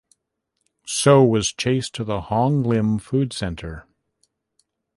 Soh was chased to the Hong Lim Food Centre.